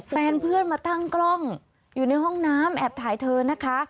แฟนเพื่อนมาตั้งกล้องอยู่ในห้องน้ำแอบถ่ายเธอนะคะ